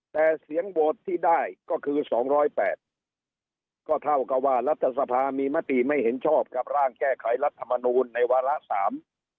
แต่เสียงโหวตที่ได้ก็คือสองร้อยแปดก็เท่ากับว่ารัฐสภามีมติไม่เห็นชอบกับร่างแก้ไขรัฐมนูลในวาระสาม